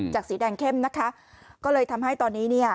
สีแดงเข้มนะคะก็เลยทำให้ตอนนี้เนี่ย